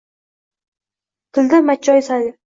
Tilda machchoyi sayil